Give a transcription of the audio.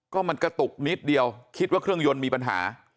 ก็มันกระตุกนิดเดียวคิดว่าเครื่องยนต์มีปัญหา